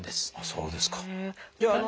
そうですか。